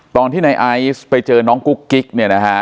ตอนที่ในไอซ์ไปเจอน้องกุ๊กกิ๊กเนี่ยนะฮะ